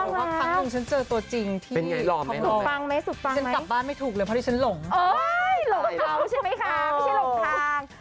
ถูกต้องแล้วเป็นไงหรอสุปังไหมสุปังไหมโอ้ยหลงทางใช่ไหมคะไม่ใช่หลงทาง